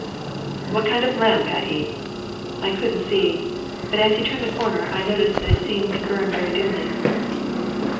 "What kind of lamp had he?" "I couldn't see; but, as he turned the corner, I noticed that it seemed to burn very dimly."